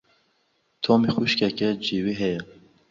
Tomî xwişkeke cêwî heye.